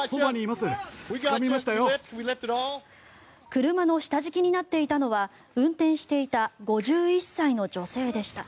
車の下敷きになっていたのは運転していた５１歳の女性でした。